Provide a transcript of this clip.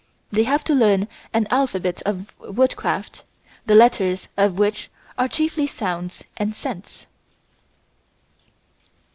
They have to learn an alphabet of woodcraft, the letters of which are chiefly sounds and scents.